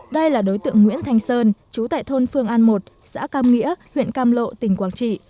đây là đối tượng nguyễn thanh sơn chú tại thôn phương an một xã cam nghĩa huyện cam lộ tỉnh quảng trị